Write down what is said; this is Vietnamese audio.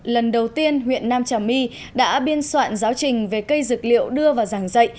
lần đầu tiên huyện nam trà my đã biên soạn giáo trình về cây dược liệu đưa vào giảng dạy